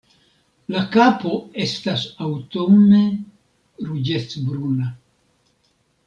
La kapo estas aŭtune ruĝecbruna.